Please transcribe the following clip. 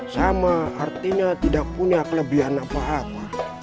sama artinya tidak punya kelebihan apa apa